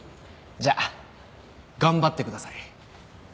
じゃ頑張ってください。